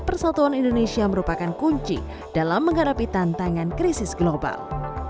persatuan indonesia merupakan kunci dalam menghadapi tantangan krisis global